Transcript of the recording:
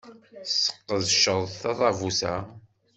Tesqedceḍ tadabut-a.